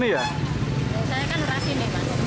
biasanya kan rasin